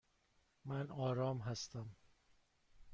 من آرام هستم.